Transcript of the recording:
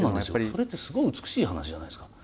これってすごい美しい話じゃないですか。